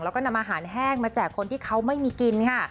แล้วก็นำอาหารแห้งมาแจกคนที่เขาไม่มีกินค่ะ